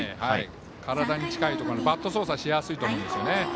体に近いところバット操作しやすいと思うんですよね。